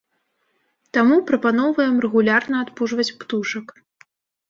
Таму прапаноўваем рэгулярна адпужваць птушак.